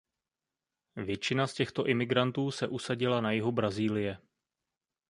Většina z těchto imigrantů se usadila na jihu Brazílie.